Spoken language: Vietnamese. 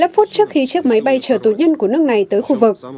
một mươi phút trước khi chiếc máy bay chở tù nhân của nước này tới khu vực